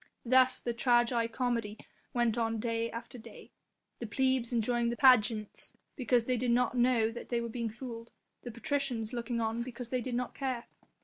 Thus the tragi comedy went on day after day. The plebs enjoying the pageants because they did not know that they were being fooled, and the patricians looking on because they did not care.